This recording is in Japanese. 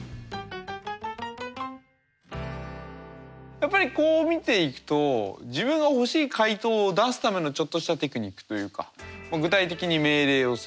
やっぱりこう見ていくと自分が欲しい回答を出すためのちょっとしたテクニックというか具体的に命令をする力